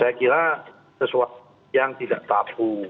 saya kira sesuatu yang tidak tapu